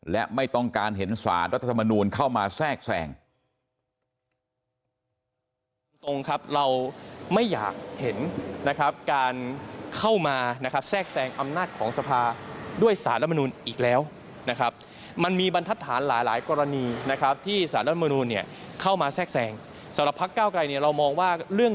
และไม่ต้องการเห็นศาสตร์รัฐสมนุนเข้ามาแทรกแสง